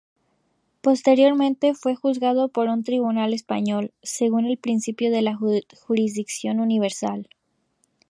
Posteriormente fue juzgado por un tribunal español según el principio de la jurisdicción universal.